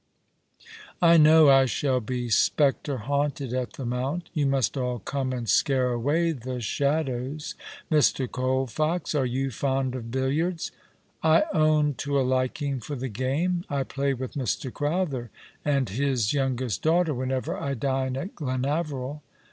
I know I shall be spectre haunted at the Mount. I'ou must all come and scare away the shadows. Mr. Colfox, are you fond of billiards ?" ''I own to a liking for the game. I play with Mr. Crowther and his youngest daughter whenever I dine at Glenaveril.